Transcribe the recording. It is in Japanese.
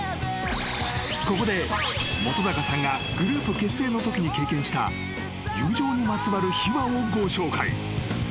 ［ここで本さんがグループ結成のときに経験した友情にまつわる秘話をご紹介］